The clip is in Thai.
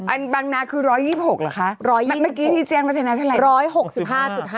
บางนาคือ๑๒๖เหรอคะเมื่อกี้ที่แจ้งวัฒนาเท่าไหร่